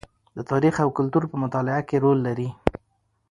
د تاریخ او کلتور په مطالعه کې رول لري.